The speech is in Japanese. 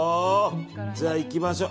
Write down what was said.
じゃあいきましょう。